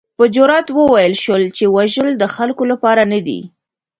په جرات وویل شول چې وژل د خلکو لپاره نه دي.